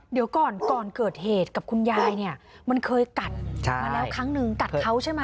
เดี๋ยวก่อนก่อนเกิดเหตุกับคุณยายเนี่ยมันเคยกัดมาแล้วครั้งนึงกัดเขาใช่ไหม